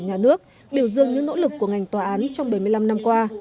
nhà nước biểu dương những nỗ lực của ngành tòa án trong bảy mươi năm năm qua